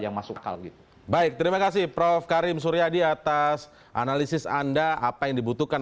yang masuk akal gitu baik terima kasih prof karim suryadi atas analisis anda apa yang dibutuhkan